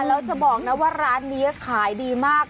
แล้วจะบอกนะว่าร้านนี้ขายดีมาก